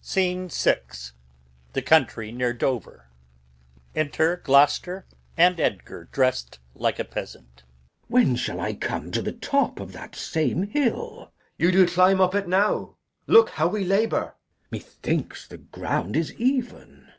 Scene VI. The country near Dover. Enter Gloucester, and Edgar [like a Peasant]. Glou. When shall I come to th' top of that same hill? Edg. You do climb up it now. Look how we labour. Glou. Methinks the ground is even.